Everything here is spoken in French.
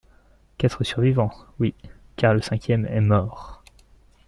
Quatre survivants, oui, car le cinquième est mort.